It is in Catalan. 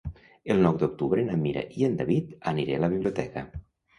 El nou d'octubre na Mira i en David aniré a la biblioteca.